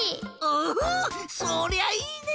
おおそりゃいいね！